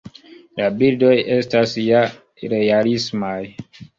La bildoj estas ja realismaj.